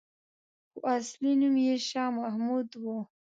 خو اصلي نوم یې شا محمد وو.